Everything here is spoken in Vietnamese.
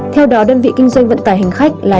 theo đó đơn vị kinh doanh vận tải hành khách là